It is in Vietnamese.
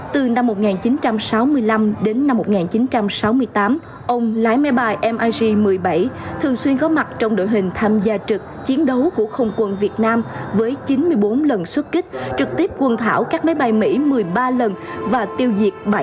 từ năm một nghìn chín trăm sáu mươi năm đến năm một nghìn chín trăm sáu mươi tám ông lái máy bay mig một mươi bảy thường xuyên có mặt trong đội hình tham gia trực chiến đấu của không quân việt nam với chín mươi bốn lần xuất kích trực tiếp quân thảo các máy bay mỹ một mươi ba lần và tiêu diệt